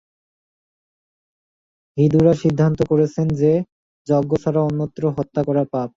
হিঁদুরা সিদ্ধান্ত করছেন যে, যজ্ঞ ছাড়া অন্যত্র হত্যা করা পাপ।